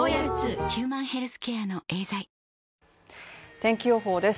天気予報です。